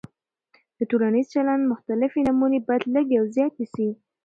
د ټولنیز چلند مختلفې نمونې باید لږې او زیاتې سي.